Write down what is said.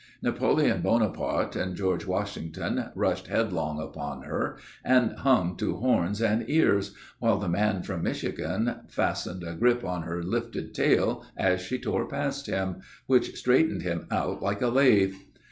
Napoleon Bonaparte and George Washington rushed headlong upon her and hung to horns and ears; while the man from Michigan fastened a grip on her lifted tail, as she tore past him, which straightened him out like a lathe.